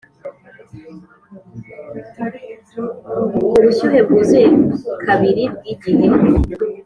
ubushyuhe-bwuzuye kabiri bwigihe